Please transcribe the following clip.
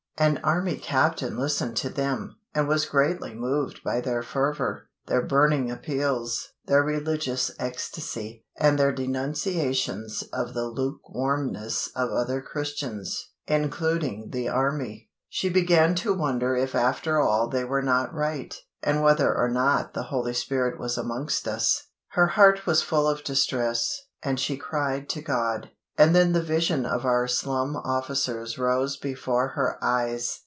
An Army Captain listened to them, and was greatly moved by their fervour, their burning appeals, their religious ecstasy, and their denunciations of the lukewarmness of other Christians, including The Army. She began to wonder if after all they were not right, and whether or not the Holy Spirit was amongst us. Her heart was full of distress, and she cried to God. And then the vision of our Slum Officers rose before her eyes.